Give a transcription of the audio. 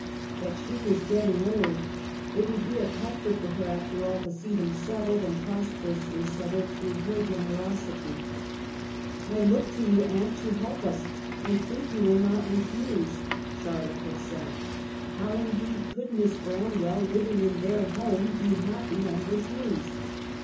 But she was getting old ; it would be a comfort to her, after all, to see them settled, and prosperously settled through her generosity. GIRLHOOD AT HA WORTH. 99 " I look to you, Aunt, to help us. I think you will not refuse," Charlotte had said. How, in deed, could Miss Branwell, living in their home, be happy, and refuse